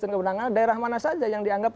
dan kebenaran daerah mana saja yang dianggap